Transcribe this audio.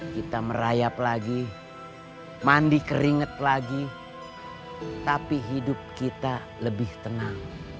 kita merayap lagi mandi keringet lagi tapi hidup kita lebih tenang